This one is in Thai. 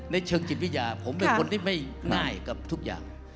เชิงจิตวิทยาผมเป็นคนที่ไม่ง่ายกับทุกอย่าง